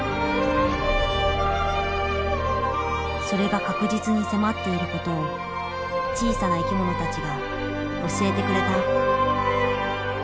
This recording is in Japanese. それが確実に迫っていることを小さな生き物たちが教えてくれた。